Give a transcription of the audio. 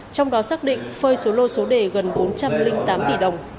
trong đó xác định phơi số lô số đề gần bốn trăm linh tám tỷ đồng